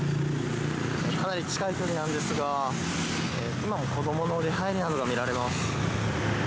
かなり近い距離なんですが今も子どもの出はいりなどが見られます。